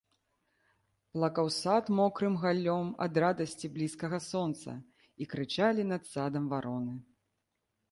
Плакаў сад мокрым галлём ад радасці блізкага сонца, і крычалі над садам вароны.